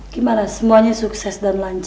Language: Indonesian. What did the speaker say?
gimana semuanya sukses dan lancar